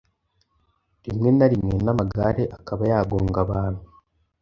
rimwe na rimwe n’amagare akaba yagonga abantu”.